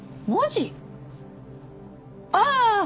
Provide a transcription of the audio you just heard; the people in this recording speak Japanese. ああ！